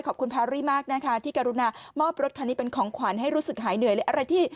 ขอบคุณพาหรี่มากนะคะที่การุณามอบรถคันนี้เป็นของขวัญให้รู้สึกหายเหนื่อย